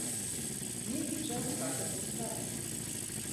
Нейкі час хата пустая.